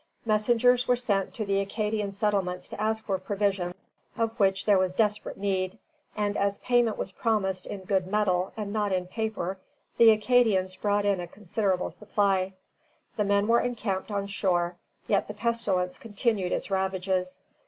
Messengers were sent to the Acadian settlements to ask for provisions, of which there was desperate need; and as payment was promised in good metal, and not in paper, the Acadians brought in a considerable supply. The men were encamped on shore, yet the pestilence continued its ravages.